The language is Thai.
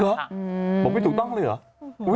บอกไม่ถูกต้องเลยเหรอ